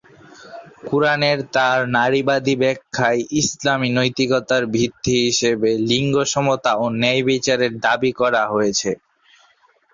কুরআনের তার নারীবাদী ব্যাখ্যায় ইসলামী নৈতিকতার ভিত্তি হিসেবে লিঙ্গ সমতা এবং ন্যায়বিচারের দাবি করা হয়েছে।